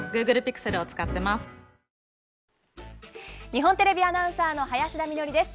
日本テレビアナウンサーの林田美学です。